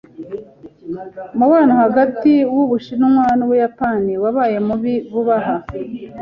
Umubano hagati yUbushinwa n’Ubuyapani wabaye mubi vuba aha.